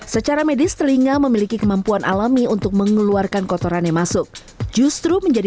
secara medis telinga memiliki kemampuan alami untuk mengeluarkan kotoran yang masuk justru menjadi